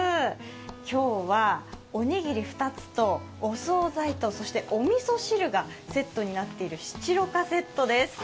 今日は、おにぎり２つとお惣菜と、そしておみそ汁がセットになっているシチロカセットです。